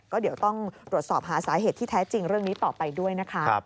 ก็เดี๋ยวต้องตรวจสอบหาสาเหตุที่แท้จริงเรื่องนี้ต่อไปด้วยนะคะ